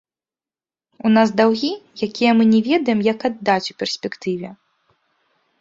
У нас даўгі, якія мы не ведаем, як аддаць у перспектыве.